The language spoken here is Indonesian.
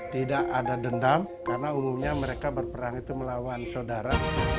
tidak ada dendam karena umumnya mereka berperang itu melawan saudara